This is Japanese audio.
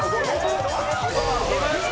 きました。